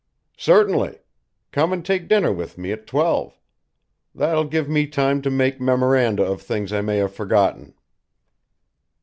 "Certainly. Come and take dinner with me at twelve. That will give me time to make memoranda of things I may have forgotten."